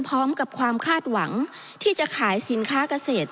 พร้อมกับความคาดหวังที่จะขายสินค้าเกษตร